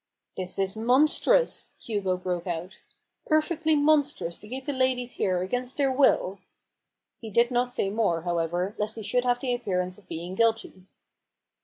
" This is monstrous !" Hugo broke out ;" perfectly monstrous to keep the ladies here against their will I " He did not say more, however, lest he should have the appearance of being guilty.